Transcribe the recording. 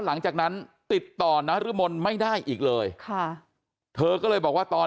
หลังจากนั้นติดต่อนรมนไม่ได้อีกเลยค่ะเธอก็เลยบอกว่าตอน